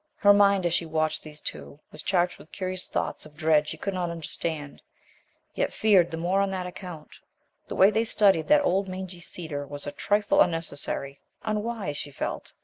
Her mind, as she watched these two, was charged with curious thoughts of dread she could not understand, yet feared the more on that account. The way they studied that old mangy cedar was a trifle unnecessary, unwise, she felt.